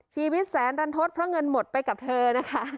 ชีวิตแสนรันทศเพราะเงินหมดไปกับเธอนะคะ